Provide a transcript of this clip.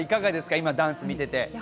今、ダンスを見ていて。